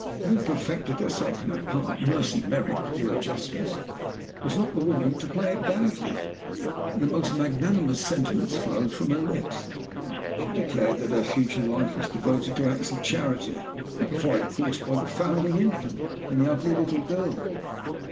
Having perfected herself in her part, Mercy Merrick, to do her justice, was not the woman to play it badly. The most magnanimous sentiments flowed from her lips. She declared that her future life was devoted to acts of charity, typified, of course, by the foundling infant and the ugly little girl.